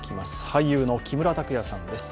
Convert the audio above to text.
俳優の木村拓哉さんです